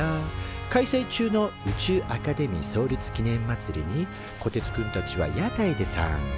開催中の宇宙アカデミー創立記念まつりにこてつくんたちは屋台で参加。